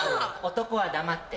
男は黙って。